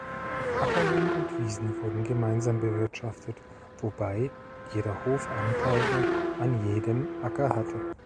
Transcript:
Ackerland und Wiesen wurden gemeinsam bewirtschaftet, wobei jeder Hof Anteile an jedem Acker hatte.